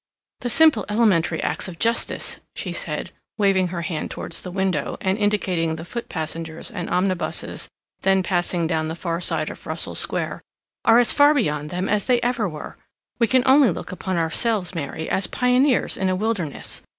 "The simple elementary acts of justice," she said, waving her hand towards the window, and indicating the foot passengers and omnibuses then passing down the far side of Russell Square, "are as far beyond them as they ever were. We can only look upon ourselves, Mary, as pioneers in a wilderness.